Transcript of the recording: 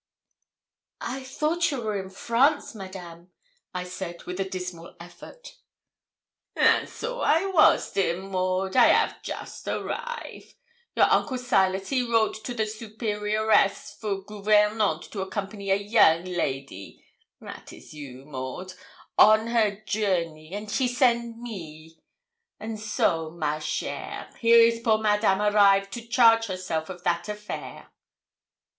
'I thought you were in France, Madame,' I said, with a dismal effort. 'And so I was, dear Maud; I 'av just arrive. Your uncle Silas he wrote to the superioress for gouvernante to accompany a young lady that is you, Maud on her journey, and she send me; and so, ma chère, here is poor Madame arrive to charge herself of that affair.'